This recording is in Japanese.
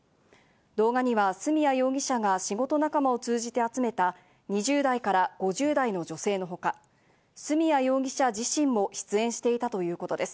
動画には角谷容疑者が仕事仲間を通じて集めた２０代から５０代の女性のほか、角谷容疑者自身も出演していたということです。